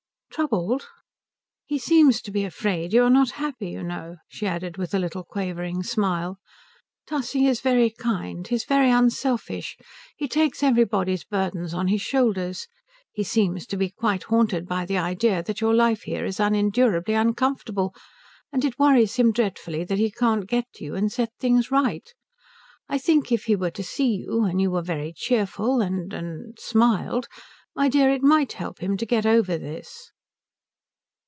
"Troubled?" "He seems to be afraid you are not happy. You know," she added with a little quavering smile, "Tussie is very kind. He is very unselfish. He takes everybody's burdens on his shoulders. He seems to be quite haunted by the idea that your life here is unendurably uncomfortable, and it worries him dreadfully that he can't get to you to set things straight. I think if he were to see you, and you were very cheerful, and and smiled, my dear, it might help to get him over this."